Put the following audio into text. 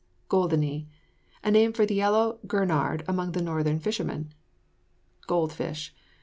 GOLDENEY. A name for the yellow gurnard among the northern fishermen. GOLD FISH.